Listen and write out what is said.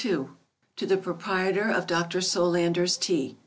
To the Proprietor of Dr. Solander's TEA.